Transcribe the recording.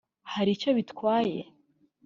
hari icyo bitwaye”